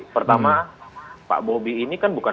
pertama pak bobi ini kan bukan